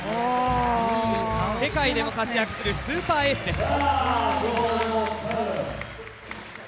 世界でも活躍するスーパーエースです。